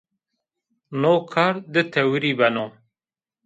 No kar di tewirî beno